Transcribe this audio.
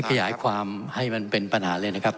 ขยายความให้มันเป็นปัญหาเลยนะครับ